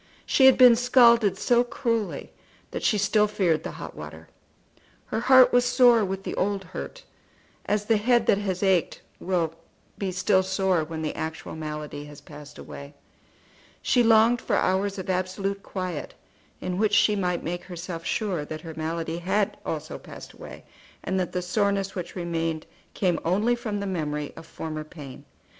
She had been scalded so cruelly that she still feared the hot water. Her heart was sore with the old hurt, as the head that has ached will be still sore when the actual malady has passed away. She longed for hours of absolute quiet, in which she might make herself sure that her malady had also passed away, and that the soreness which remained came only from the memory of former pain.